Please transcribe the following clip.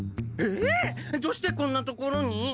えっ？どうしてこんなところに？